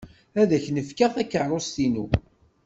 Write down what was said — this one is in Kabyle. Ad k-n-fkeɣ takeṛṛust-inu.